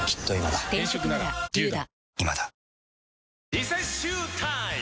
リセッシュータイム！